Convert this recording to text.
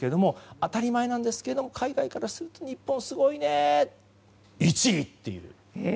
当たり前なんですが海外からすると日本すごいね、１位！と。